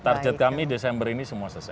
target kami desember ini semua selesai